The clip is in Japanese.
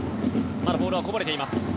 まだボールはこぼれています。